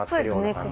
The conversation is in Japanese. そうです。